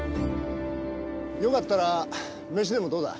よかったら飯でもどうだ？